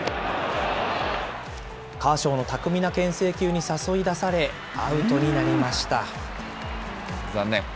カーショーの巧みなけん制球に誘い出され、アウトになりました。